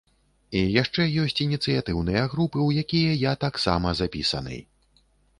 І яшчэ ёсць ініцыятыўныя групы, у якія я таксама запісаны.